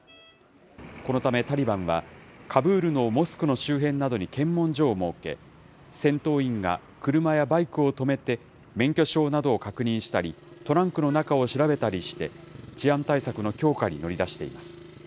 このため、タリバンはカブールのモスクの周辺などに検問所を設け、戦闘員が車やバイクを止めて、免許証などを確認したり、トランクの中を調べたりして治安対策の強化に乗り出しています。